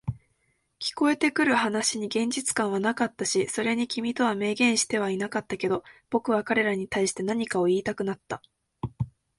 聞こえてくる話に現実感はなかったし、それに君とは明言してはいなかったけど、僕は彼らに対して何かを言いたくなった。